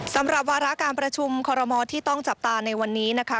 สำหรับวาระการประชุมคอรมอลที่ต้องจับตาในวันนี้นะคะ